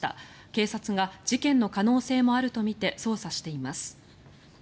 警察が事件の可能性もあるとみて捜査しています。